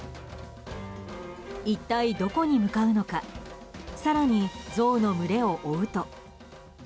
一体どこに向かうのか更にゾウの群れを追うと。